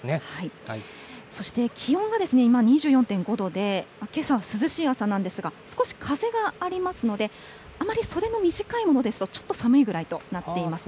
そして気温が今は２４．５度でけさは涼しい朝なんですが少し風がありますのであまり袖が短いものですとちょっと寒いくらいとなっています。